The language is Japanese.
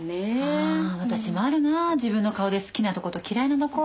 ああ私もあるなぁ自分の顔で好きなとこと嫌いなとこ。